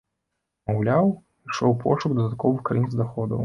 Маўляў, ішоў пошук дадатковых крыніц даходаў.